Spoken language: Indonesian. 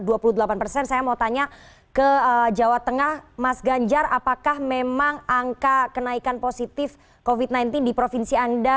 dan saya mau tanya ke jawa tengah mas ganjar apakah memang angka kenaikan positif covid sembilan belas di provinsi anda